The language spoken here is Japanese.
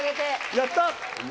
やった！